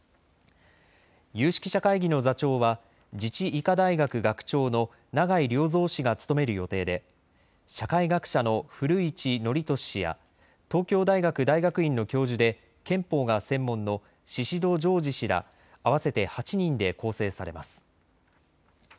有識者会議の座長は自治医科大学学長の永井良三氏が務める予定で社会学者の古市憲寿氏や東京大学大学院の教授で憲法が専門の宍戸常寿氏ら合わせて８人で構成されます。